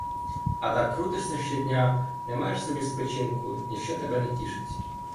А так крутишся щодня, не маєш собі спочинку, ніщо тебе не тішить.